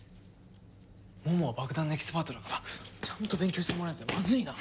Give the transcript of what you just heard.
モモは爆弾のエキスパートだからちゃんと勉強してもらわないとまずいな。